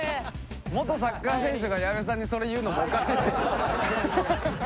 元サッカー選手が矢部さんにそれ言うのもおかしいですけど。